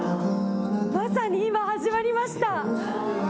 まさに今、始まりました！